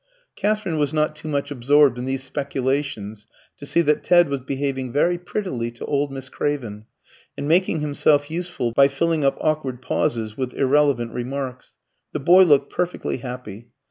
Katherine was not too much absorbed in these speculations to see that Ted was behaving very prettily to old Miss Craven, and making himself useful by filling up awkward pauses with irrelevant remarks. The boy looked perfectly happy.